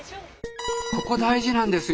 ここ大事なんですよ！